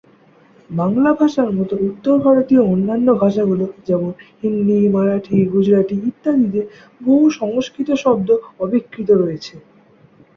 বাংলা ভাষার মতো উত্তরভারতীয় অন্যান্য ভাষাগুলো যেমন হিন্দি, মারাঠি, গুজরাটি ইত্যাদিতে বহু সংস্কৃত শব্দ অবিকৃত রয়েছে।